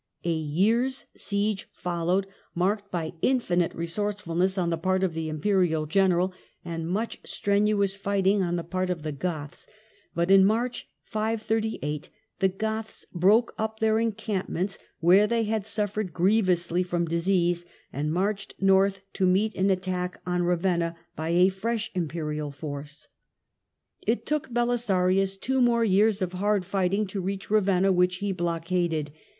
A year's siege followed, marked by infinite resourcefulness on the part of the Imperial general and much strenuous fighting on the part of the Goths, but in March, 538 the Goths broke up their encampments, where they had suffered grievously from disease, and marched north to meet an attack on Ravenna by a fresh Imperial force. It took Belisarius two more years of hard fighting to reach Ravenna, which he blockaded.